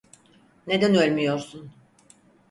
Neden ölmüyorsun?